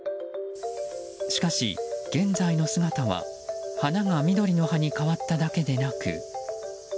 しかし現在の姿は花が緑の葉に変わっただけでなく。